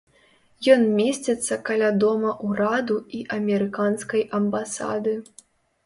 Ён месціцца каля дома ўраду і амерыканскай амбасады.